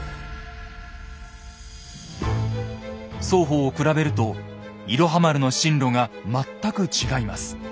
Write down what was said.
双方を比べると「いろは丸」の進路が全く違います。